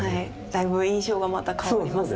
だいぶ印象がまた変わりますね。